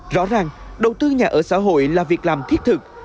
rõ ràng đầu tư nhà ở xã hội là việc làm thiết thực